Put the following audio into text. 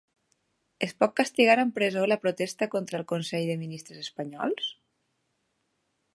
Es pot castigar amb presó la protesta contra el consell de ministres espanyols?